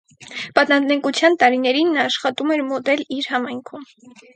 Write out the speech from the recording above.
Պատանեկության տարիներին նա աշխատում էր մոդել իր համայնքում։